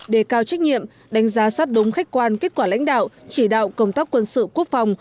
đề cao trách nhiệm đánh giá sát đúng khách quan kết quả lãnh đạo chỉ đạo công tác quân sự quốc phòng